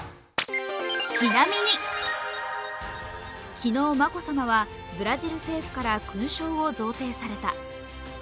昨日、眞子さまはブラジル政府から勲章を贈呈された。